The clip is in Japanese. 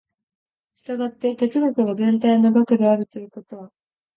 従って哲学が全体の学であるということは、